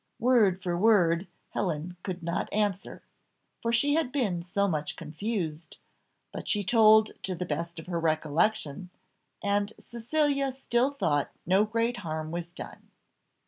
Word for word Helen could not answer, for she had been so much confused, but she told to the best of her recollection; and Cecilia still thought no great harm was done.